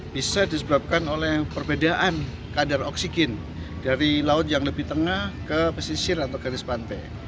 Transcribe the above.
bisa disebabkan oleh perbedaan kadar oksigen dari laut yang lebih tengah ke pesisir atau garis pantai